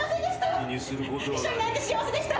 秘書になれて幸せでした！